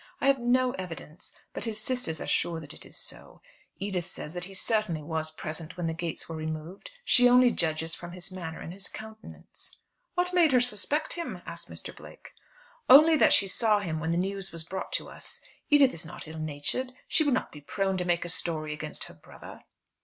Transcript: I have no evidence; but his sisters are sure that it is so. Edith says that he certainly was present when the gates were removed. She only judges from his manner and his countenance." "What made her suspect him?" asked Mr. Blake. "Only that she saw him when the news was brought to us. Edith is not ill natured. She would not be prone to make a story against her brother."